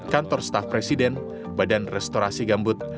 kantor staf presiden badan restorasi gambut